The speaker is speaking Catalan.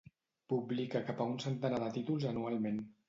Publica cap a un centenar de títols anualment.